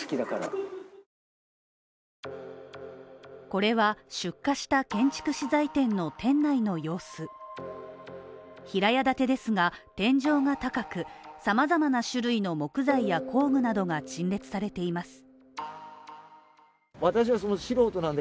これは出火した建築資材店の店内の様子平屋建てですが天井が高く、様々な種類の木材や工具などが陳列されています。